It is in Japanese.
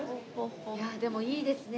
いやでもいいですね。